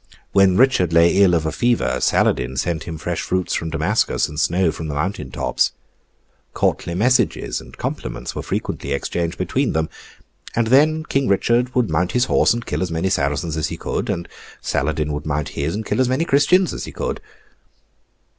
When Richard lay ill of a fever, Saladin sent him fresh fruits from Damascus, and snow from the mountain tops. Courtly messages and compliments were frequently exchanged between them—and then King Richard would mount his horse and kill as many Saracens as he could; and Saladin would mount his, and kill as many Christians as he could.